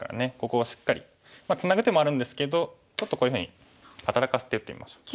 ここをしっかりツナぐ手もあるんですけどちょっとこういうふうに働かせて打ってみましょう。